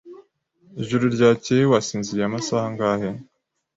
Ijoro ryakeye wasinziriye amasaha angahe?